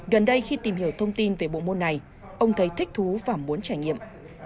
gần đây khi tìm hiểu thông tin về bộ môn này ông thấy thích thú và muốn trải nghiệm